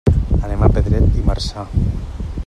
Anem a Pedret i Marzà.